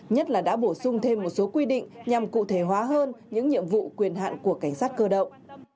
nhất là đã bổ sung thêm một số quy định nhằm cụ thể hóa hơn những nhiệm vụ quyền hạn của cảnh sát cơ động